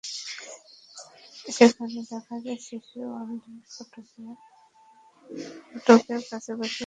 সেখানে দেখা যায়, শিশু ওয়ার্ডের ফটকের কাছে বসে আছেন কয়েকজন অভিভাবক।